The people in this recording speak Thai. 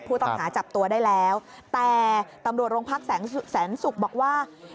ผู้ต้องหาจับตัวได้แล้วแต่ตำรวจโรงพักแสนศุกร์บอกว่า